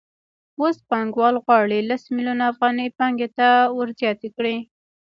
اوس پانګوال غواړي لس میلیونه افغانۍ پانګې ته ورزیاتې کړي